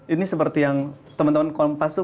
ini seperti yang teman teman kompas itu